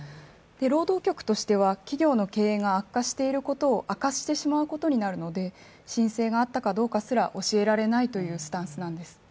労働局としては企業の経営が悪化していることを明かしてしまうことになるので申請があったかどうかすら教えられないというスタンスなんです。